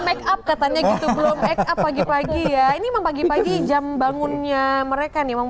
make up katanya gitu belum pagi pagi ya ini membagi pagi jam bangunnya mereka nih